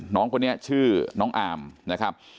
น้องคนนี้ชื่อน้องอามนะครับ